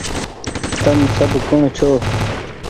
تم سب ڪوٚڻ ڇو